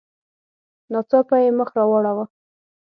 ناڅاپه یې مخ را واړاوه.